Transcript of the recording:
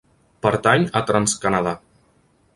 Pertany a TransCanada.